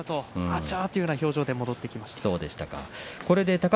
あちゃーというような表情で帰って行きました。